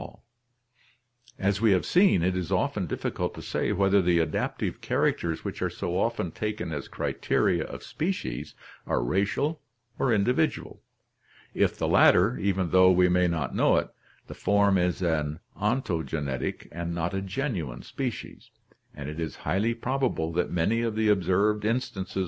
in salt water, the next in brackish water, the third at a river As we h aV e seen, it is often difficult to say whether the adaptive characters which are so often taken as criteria of species are racial or individual ; if the latter, even though we may not know it, the form is an ontogenetic and not a genuine species, and it is highly probable that many of the observed instances of n and Co.